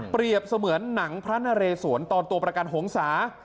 เสมือนหนังพระนเรสวนตอนตัวประกันหงษา